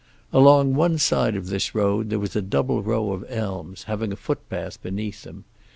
Along one side of this road there was a double row of elms, having a footpath beneath them.